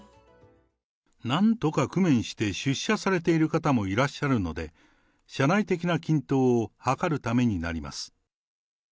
なんとか工面して出社されている方もいらっしゃるので、社内的な均等を図るためになります。